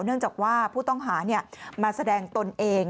เนื่องจากว่าผู้ต้องหามาแสดงตนเอง